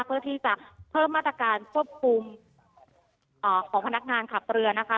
เพื่อที่จะเพิ่มมาตรการควบคุมของพนักงานขับเรือนะคะ